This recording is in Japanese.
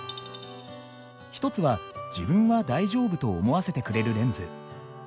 一つは「自分は大丈夫」と思わせてくれるレンズ。